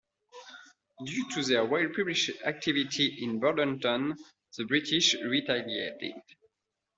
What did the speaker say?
Due to their well-published activity in Bordentown, the British retaliated.